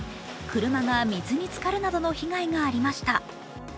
車が水につかるなどの被害がありました。